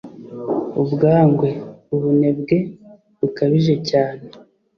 ubwangwe: ubunebwe. bukabije cyane